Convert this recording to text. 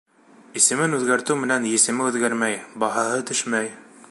Исемен үҙгәртеү менән есеме үҙгәрмәй, баһаһы төшмәй.